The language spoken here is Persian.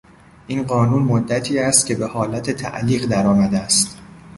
این قانون مدتی است که به حالت تعلیق در آمده است.